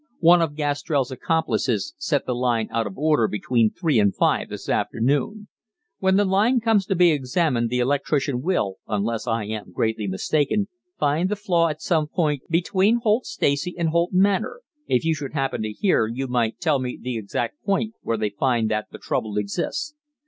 One of Gastrell's accomplices set the line out of order between three and five this afternoon. When the line comes to be examined the electrician will, unless I am greatly mistaken, find the flaw at some point between Holt Stacey and Holt Manor if you should happen to hear, you might tell me the exact point where they find that the trouble exists.